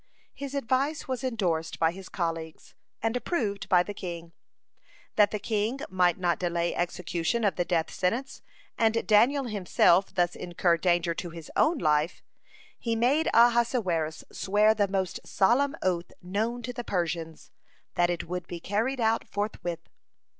His advice was endorsed by his colleagues, and approved by the king. That the king might not delay execution of the death sentence, and Daniel himself thus incur danger to his own life, he made Ahasuerus swear the most solemn oath known to the Persians, that it would be carried out forthwith.